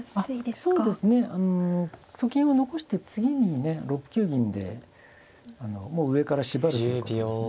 そうですね。と金を残して次にね６九銀でもう上から縛るということですね。